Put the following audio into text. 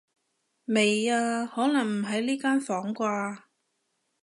未啊，可能唔喺呢間房啩